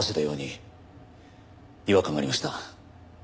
違和感がありました。